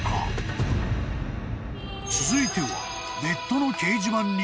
［続いては］